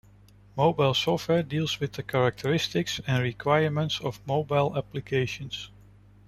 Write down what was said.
Mobile software deals with the characteristics and requirements of mobile applications.